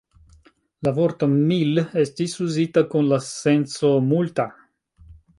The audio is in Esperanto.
La vorto "mil" estis uzita kun la senco "multa".